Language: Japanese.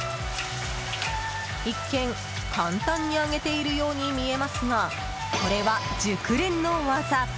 一見、簡単に揚げているように見えますが、これは熟練の技。